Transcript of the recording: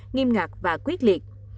nghiêm ngặt và quyết liệt